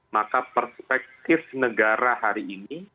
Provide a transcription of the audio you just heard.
maka perspektif negara hari ini